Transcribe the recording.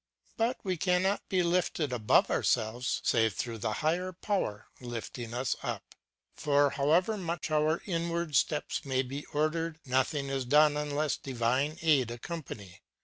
But we cannot be lifted above ourselves, save through a higher power lifting us up. For, however much our inward steps may be ordered, nothing is done unless divine aid accompany.